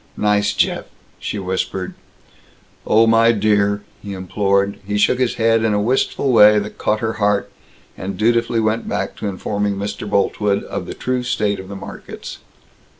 "Nice Jeff!" she whispered. "Oh, my dear!" he implored. He shook his head in a wistful way that caught her heart, and dutifully went back to informing Mr. Boltwood of the true state of the markets.